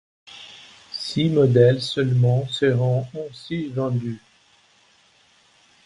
Six modèles seulement seront ainsi vendus.